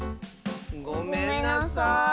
ごめんなさい。